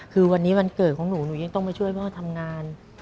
คือวันนี้วันเกิดของหนูหนูยังต้องมาช่วยพ่อทำงาน